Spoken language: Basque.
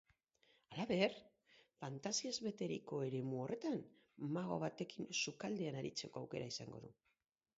Halaber, fantasiaz beteriko eremu horretan mago batekin sukaldean aritzeko aukera izango du.